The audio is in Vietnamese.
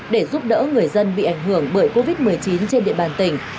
để giúp đỡ người dân bị ảnh hưởng bởi covid một mươi chín trên địa bàn tỉnh